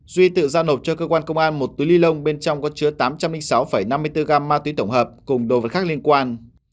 duy tự giao nộp cho cơ quan công an một túi ly lông bên trong có chứa tám trăm linh sáu năm mươi bốn gram ma túy tổng hợp cùng đồ vật khác liên quan